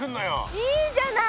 いいじゃない！